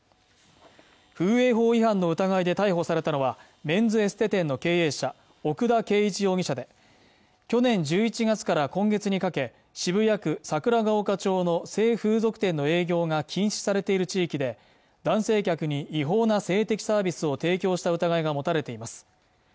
風営法違反の疑いで逮捕されたのはメンズエステ店の経営者奥田圭一容疑者で去年１１月から今月にかけ渋谷区桜丘町の性風俗店の営業が禁止されている地域で男性客に違法な性的サービスを提供した疑いが持たれています